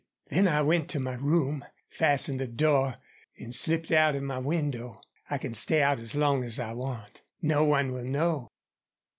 "Then I went to my room, fastened the door, and slipped out of my window. I can stay out as long as I want. No one will know."